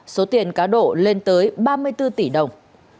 số tiền cá độ lên tới ba mươi bốn tỷ đồng